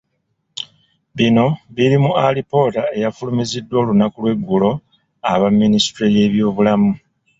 Bino biri mu alipoota eyafulumiziddwa olunaku lw'eggulo aba minisitule y'ebyobulamu.